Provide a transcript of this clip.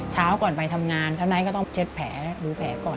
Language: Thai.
เช้าก่อนไปทำงานเท่านั้นก็ต้องเช็ดแผลดูแผลก่อน